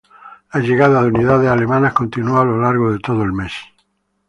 La llegada de unidades alemanas continuó a lo largo de todo el mes.